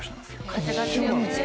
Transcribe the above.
風が強くて。